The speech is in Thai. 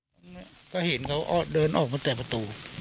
ส่วนนางสุธินนะครับบอกว่าไม่เคยคาดคิดมาก่อนว่าบ้านเนี่ยจะมาถูกภารกิจนะครับ